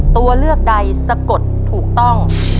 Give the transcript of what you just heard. ตัวเลือกใดสะกดถูกต้อง